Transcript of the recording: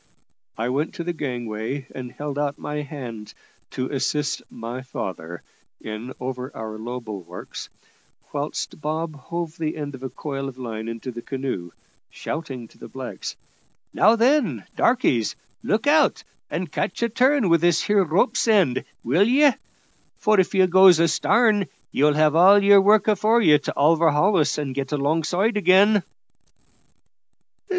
I went to the gangway, and held out my hand to assist my father in over our low bulwarks, whilst Bob hove the end of a coil of line into the canoe, shouting to the blacks, "Now then, darkies, look out, and catch a turn with this here rope's end, will ye? for if you goes astarn, you'll have all your work afore ye to overhaul us and get alongside again."